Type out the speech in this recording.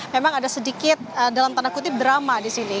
memang ada sedikit dalam tanda kutip drama di sini